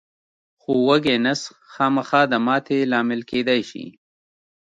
خو وږی نس خامخا د ماتې لامل کېدای شي.